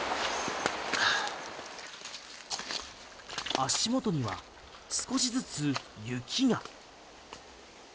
足元には少しずつ雪が。